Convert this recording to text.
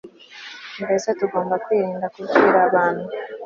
mbese tugomba kwirinda kubwira abantu